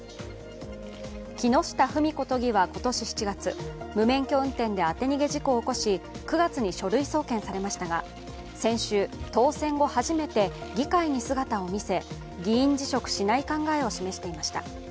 木下富美子都議は今年７月無免許運転で当て逃げ事故を起こし９月に書類送検されましたが先週、当選後初めて議会に姿を見せ議員辞職しない考えを示していました。